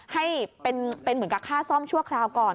ให้เป็นเหมือนกับค่าซ่อมชั่วคราวก่อน